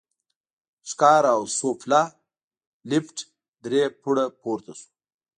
ښکار او سوفله، لېفټ درې پوړه پورته شو.